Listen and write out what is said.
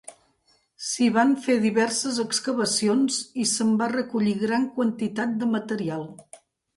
S'hi van fer diverses excavacions i se'n va recollir gran quantitat de material.